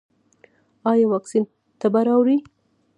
ایا واکسین تبه راوړي؟